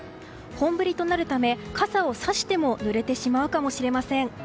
本降りとなるため傘をさしてもぬれてしまうかもしれません。